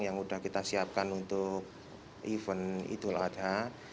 yang sudah kita siapkan untuk event idul adha